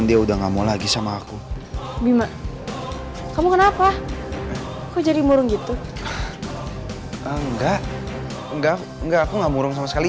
enggak aku gak murung sama sekali